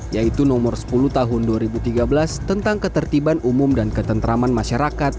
yaitu nomor sepuluh tahun dua ribu tiga belas tentang ketertiban umum dan ketentraman masyarakat